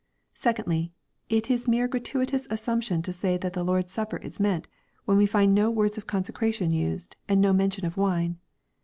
— Secondly, it is mere gratuitous as sumption to say that the Lord's Supper is meant, when we find no words of consecration used, and no mention of wine.